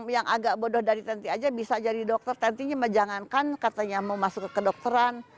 yang agak bodoh dari tenti aja bisa jadi dokter tentinya mejangankan katanya mau masuk ke kedokteran